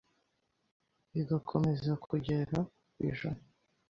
igakomeza kugeza kuri ijana